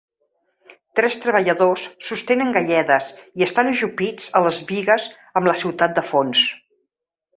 Tres treballadors sostenen galledes i estan ajupits a les bigues amb la ciutat de fons.